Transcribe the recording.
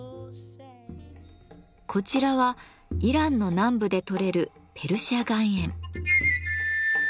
こちらはイランの南部で採れる「ペルシャ岩塩」。